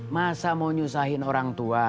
masa mau nyusahin orang tua